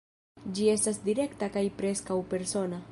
Ĝi estas direkta kaj preskaŭ persona.